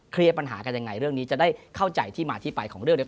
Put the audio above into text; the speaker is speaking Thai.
ปัญหากันยังไงเรื่องนี้จะได้เข้าใจที่มาที่ไปของเรื่องด้วย